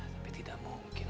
tapi tidak mungkin